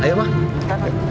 pak cepetan pak